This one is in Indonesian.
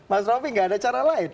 mas raffi gak ada cara lain